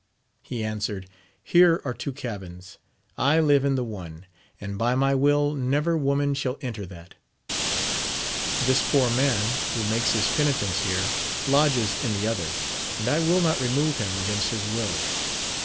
He answered. Here are two cabins : I live in the one, and by my will never woman shall enter that. This poor man, who makes his penitence here, lodges in the other, and I will not remove him against his will.